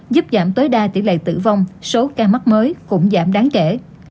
giúp giảm tối đa tỷ lệ tử vong số ca mắc mới cũng giảm đáng kể